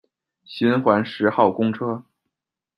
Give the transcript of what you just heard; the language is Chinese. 循环十号公车